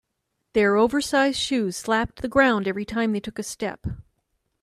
Their oversized shoes slapped the ground each time they took a step.